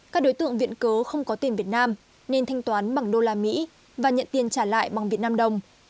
các đối tượng viện cớ không có tiền việt nam nên thanh toán bằng đô la mỹ và nhận tiền trả lại bằng việt nam đồng